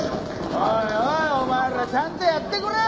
おいおいお前らちゃんとやってくれよ